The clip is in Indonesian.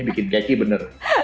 ini bikin keki bener